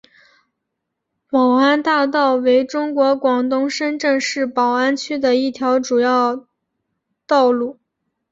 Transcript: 宝安大道为中国广东深圳市宝安区的一条主要道路。